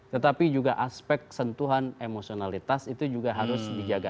tetapi juga aspek sentuhan emosionalitas itu juga harus dijaga